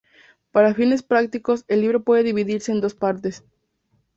Para fines prácticos el libro puede dividirse en dos partes.